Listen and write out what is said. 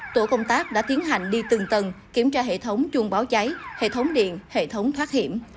tổ công tác đã tiến hành đi từng tầng kiểm tra hệ thống chuông báo cháy hệ thống điện hệ thống thoát hiểm